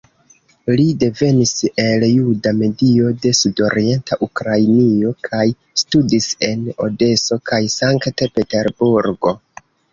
Li devenis el juda medio de Sudorienta Ukrainio kaj studis en Odeso kaj Sankt-Peterburgo.